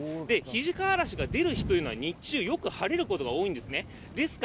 肱川あらしが出る日というのは日中、よく晴れることが多いんですね。